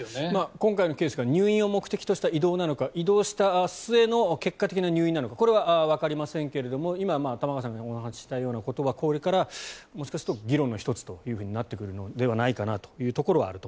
今回のケースが入院を目的とした移動なのか移動した末の結果的な入院なのかはわかりませんけれども今、玉川さんがお話ししたようなことはこれからもしかしたら議論の１つになってくるのではないかなと。